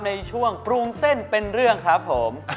ในช่วงปรุงเส้นเป็นเรื่องครับผม